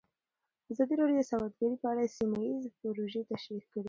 ازادي راډیو د سوداګري په اړه سیمه ییزې پروژې تشریح کړې.